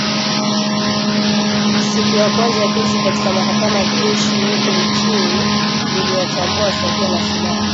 Siku ya kwanza ya kesi katika mahakama ya kijeshi huko Ituri iliwatambua washtakiwa na silaha